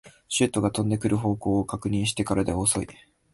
シュートが飛んでくる方向を確認してからでは遅い